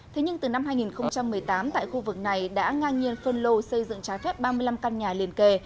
thế nhưng từ năm hai nghìn một mươi tám tại khu vực này đã ngang nhiên phân lô xây dựng trái phép ba mươi năm căn nhà liền kề